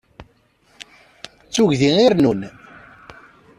D tuggdi ay irennun.